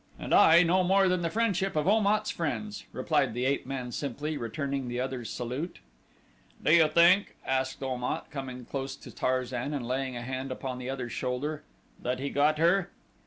"And I no more than the friendship of Om at's friends," replied the ape man simply, returning the other's salute. "Do you think," asked Om at, coming close to Tarzan and laying a hand upon the other's shoulder, "that he got her?"